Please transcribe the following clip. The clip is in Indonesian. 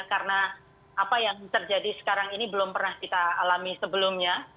karena apa yang terjadi sekarang ini belum pernah kita alami sebelumnya